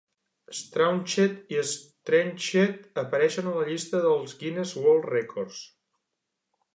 "scraunched" i "strengthed" apareixen a la llista dels "Guinness World Records".